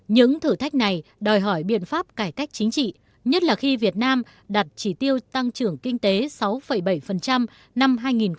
những thử thách này đòi hỏi biện pháp cải cách chính trị nhất là khi việt nam đặt chỉ tiêu tăng trưởng kinh tế sáu bảy năm hai nghìn một mươi tám